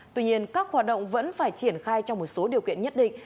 tuy nhiên các hoạt động vẫn phải triển khai trong một số điều kiện nhất định